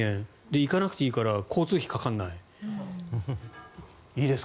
行かなくていいから交通費がかからない。